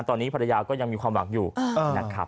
ตอนนี้ภรรยาก็ยังมีความหวังอยู่นะครับ